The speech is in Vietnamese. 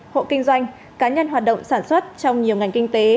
hộ kinh doanh cá nhân hoạt động sản xuất trong nhiều ngành kinh tế